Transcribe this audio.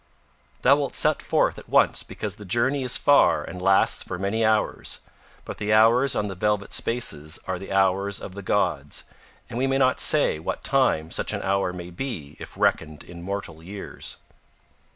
Thou wilt set forth at once because the journey is far and lasts for many hours; but the hours on the velvet spaces are the hours of the gods, and we may not say what time such an hour may be if reckoned in mortal years.